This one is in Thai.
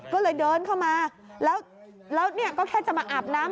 ก็เลยเดินเข้ามาแล้วแล้วก็แค่จะมาอาบน้ำ